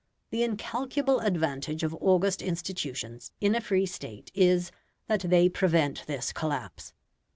The incalculable advantage of august institutions in a free state is, that they prevent this collapse.